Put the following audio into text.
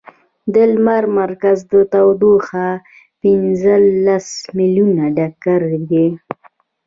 د لمر مرکز تودوخه پنځلس ملیونه ډګري ده.